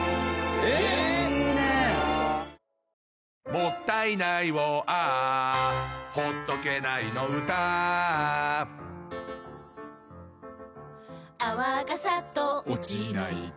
「もったいないをＡｈ」「ほっとけないの唄Ａｈ」「泡がサッと落ちないと」